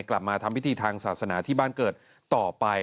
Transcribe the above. กลับมาทำพิธีทางศาสนาที่บ้านเกิดต่อไป